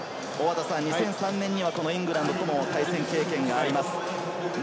２００３年にはイングランドと対戦経験があります。